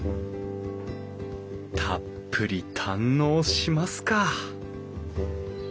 たっぷり堪能しますか！